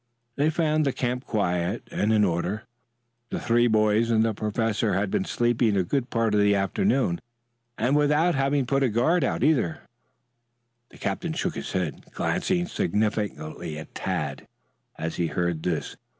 They found the camp quiet and in order. The three boys and the professor had been sleeping a good part of the afternoon, and without having put out a guard, either. The captain shook his head, glancing significantly at Tad as he heard this.